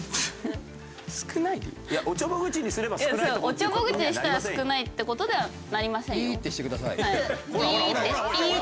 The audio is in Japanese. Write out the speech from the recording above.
おちょぼ口にしたら少ないって事ではなりませんよ。